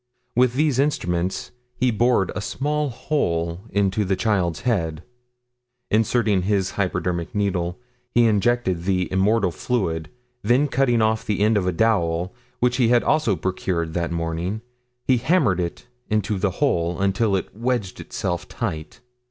With these instruments he bored a small hole into the child's head. Inserting his hypodermic needle, he injected the immortal fluid, then cutting the end off a dowel, which he had also procured that morning, he hammered it into the hole until it wedged itself tight.